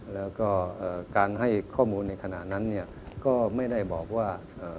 แล้วก็การให้ข้อมูลในขณะนั้นก็ไม่ได้บอกว่า